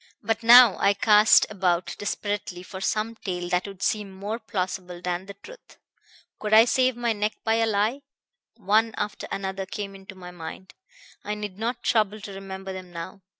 "But now I cast about desperately for some tale that would seem more plausible than the truth. Could I save my neck by a lie? One after another came into my mind; I need not trouble to remember them now.